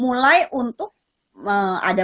mulai untuk ada